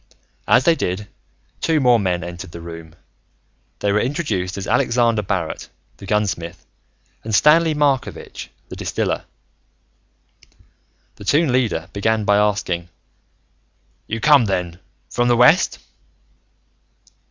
As they did, two more men entered the room. They were introduced as Alexander Barrett, the gunsmith and Stanley Markovitch, the distiller. The Toon Leader began by asking, "You come, then, from the west?"